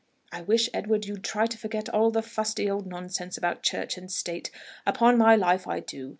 I wish, Edward, you'd try to forget all the fusty old nonsense about Church and State, upon my life I do.